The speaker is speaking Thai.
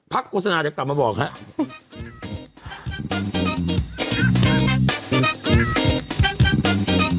พักโฆษณาเด็กต่อมาบอกครับ